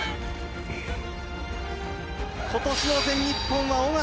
今年の全日本は緒方！